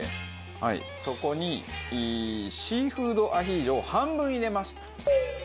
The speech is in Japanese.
はいそこにシーフードアヒージョを半分入れます。